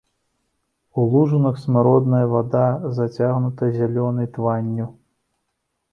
У лужынах смуродная вада зацягнута зялёнай тванню.